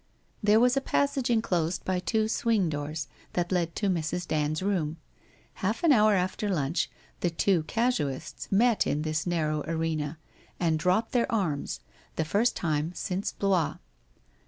There was a passage enclosed by two swing doors, that led to Mrs. Dand's room. Half an hour after lunch the two casuists met in this narrow arena, and dropped their arms, the first time since Blois.